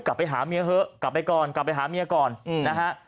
กลับไปหาเมียเถอะกลับไปก่อนกลับไปหาเมียก่อนนะฮะ